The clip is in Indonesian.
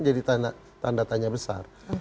jadi tanda tanya besar